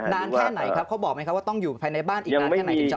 นานแค่ไหนครับเขาบอกไหมครับว่าต้องอยู่ภายในบ้านอีกนานแค่ไหนถึงจะ